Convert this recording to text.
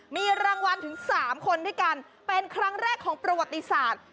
มีรางวัลถึง๓คนด้วยกันเป็นครั้งแรกของประวัติศาสตร์